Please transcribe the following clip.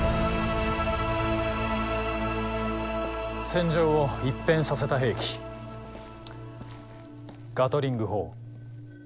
戦場を一変させた兵器ガトリング砲。